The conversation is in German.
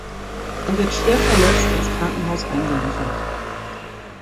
Er wird schwer verletzt ins Krankenhaus eingeliefert.